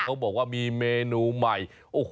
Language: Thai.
เขาบอกว่ามีเมนูใหม่